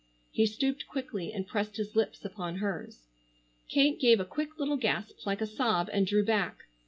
He stooped quickly and pressed his lips upon hers. Kate gave a quick little gasp like a sob and drew back.